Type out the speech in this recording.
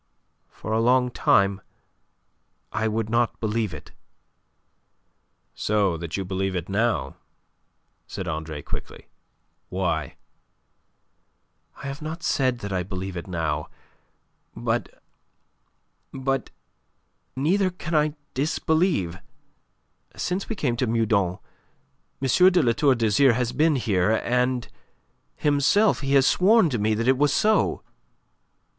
For a long time I would not believe it." "So that you believe it now," said Andre quickly. "Why?" "I have not said that I believe it now. But... but... neither can I disbelieve. Since we came to Meudon M. de La Tour d'Azyr has been here, and himself he has sworn to me that it was so."